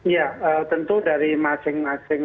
ya tentu dari masing masing